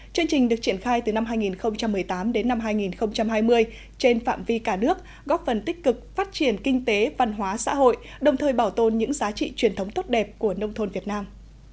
chương trình được triển khai từ năm hai nghìn một mươi tám đến năm hai nghìn hai mươi trên phạm vi cả nước góp phần tích cực phát triển kinh tế văn hóa xã hội đồng thời bảo tồn những giá trị truyền thống tốt đẹp của nông thôn việt nam